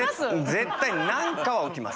絶対何かは起きます。